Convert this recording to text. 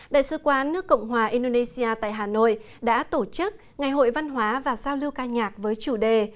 đại sứ quán nước cộng hòa indonesia tại hà nội đã tổ chức ngày hội văn hóa và giao lưu ca nhạc với chủ đề